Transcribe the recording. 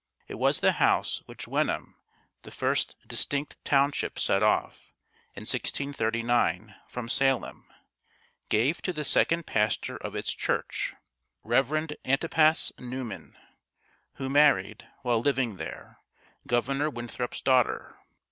It was the house which Wenham (the first distinct township set off in 1639 from Salem) gave to the second pastor of its church, Rev. Antipas Newman, who married, while living there, Governor Winthrop's daughter.